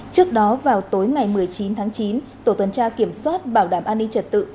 trước đó vào tối ngày một mươi chín tháng chín tổ tuần tra kiểm soát bảo đảm an ninh trật tự